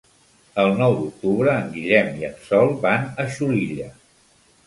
El nou d'octubre en Guillem i en Sol van a Xulilla.